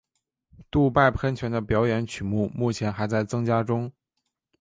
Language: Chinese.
杜拜喷泉的表演曲目目前还在增加中。